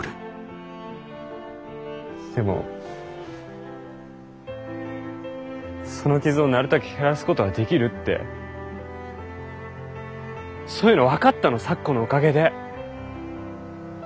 でもその傷をなるたけ減らすことはできるってそういうの分かったの咲子のおかげで。